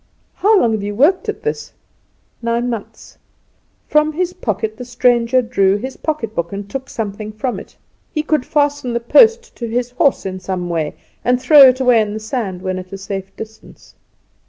"How long have you worked at this?" "Nine months." From his pocket the stranger drew his pocket book, and took something from it. He could fasten the post to his horse in some way, and throw it away in the sand when at a safe distance.